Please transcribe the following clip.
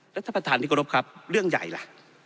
แล้วท่านประธานิกรุภครับเรื่องใหญ่ล่ะ